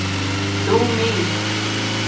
Do me!